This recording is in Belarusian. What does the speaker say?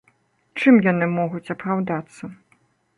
Чым яны могуць апраўдацца?